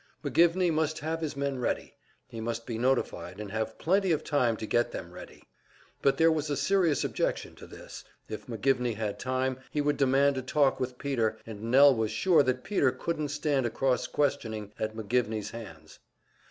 McGivney must have his men ready; he must be notified and have plenty of time to get them ready. But there was a serious objection to this if McGivney had time, he would demand a talk with Peter, and Nell was sure that Peter couldn't stand a cross questioning at McGivney's hands.